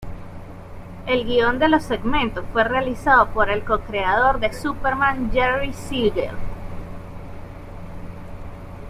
El guion de los segmentos fue realizado por el co-creador de Superman Jerry Siegel.